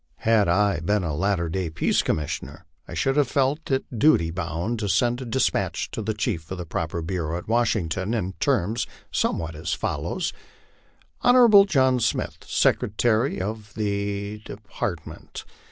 Had I been a latter day Peace Commissioner, I should have felt in duty bound to send a despatch to the chief of the proper bureau at Washington, in terms somewhat as follows : JJon John Smith, Secretary of the Department.